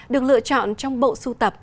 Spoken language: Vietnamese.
được lựa chọn trong bộ su tập